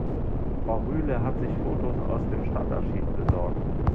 Frau Rühle hat sich Fotos aus dem Stadtarchiv besorgt.